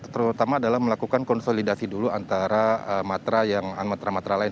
terutama adalah melakukan konsolidasi dulu antara matra yang matra matra lain